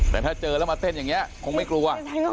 แต่ถ้าเจอแล้วมาเต้นอย่างนี้คงไม่กลัว